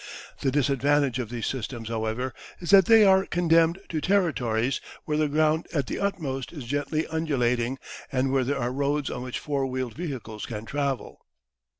The disadvantage of these systems, however, is that they are condemned to territories where the ground at the utmost is gently undulating, and where there are roads on which four wheeled vehicles can travel.